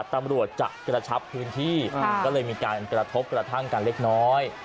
ตำรวจจะกระชับพื้นที่ก็เลยมีการกระทบกระทั่งกันเล็กน้อย